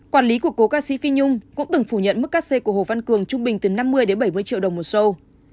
quản lý của cô ca sĩ phi nhung cũng từng phủ nhận mức ca xe của hồ văn cường trung bình từ năm mươi bảy mươi triệu đồng một sâu